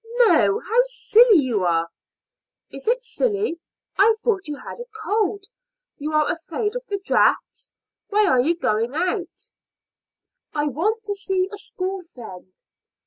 "No. How silly you are!" "Is it silly? I thought you had a cold. You are afraid of the draughts. Why are you going out?" "I want to see a school friend."